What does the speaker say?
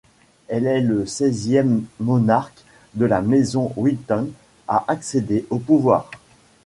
Elle est le seizième monarque de la maison Winton à accéder au pouvoir.